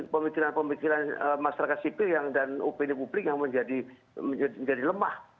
pemikiran pemikiran masyarakat sipil dan opini publik yang menjadi lemah